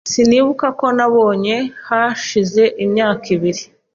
Sinibuka ko nakubonye hashize imyaka ibiri.